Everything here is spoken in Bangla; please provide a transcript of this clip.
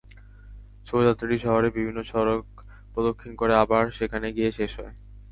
শোভাযাত্রাটি শহরের বিভিন্ন সড়ক প্রদক্ষিণ করে আবার সেখানে গিয়ে শেষ হয়।